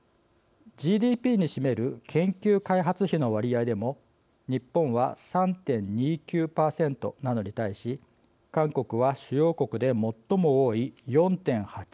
ＧＤＰに占める研究開発費の割合でも日本は３．２９％なのに対し韓国は主要国で最も多い４．８１％